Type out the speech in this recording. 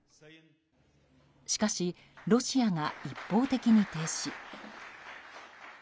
しかし、ロシアが一方的に停止。